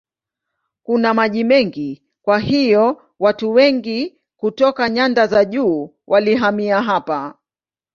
Kuna maji mengi kwa hiyo watu wengi kutoka nyanda za juu walihamia hapa.